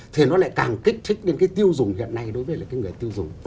thì nó lại càng kích thích đến cái tiêu dùng hiện nay đối với lại cái người tiêu dùng